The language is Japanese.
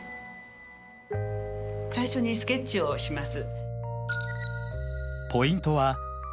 最初にスケッチをします。